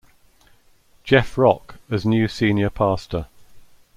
Jeff Rock as new senior pastor.